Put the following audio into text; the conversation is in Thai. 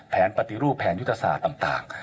แผนปฏิรูปแผนยุทธศาสตร์ต่าง